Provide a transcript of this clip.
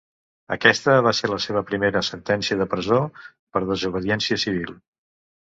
Aquesta va ser la seva primera sentència de presó per desobediència civil.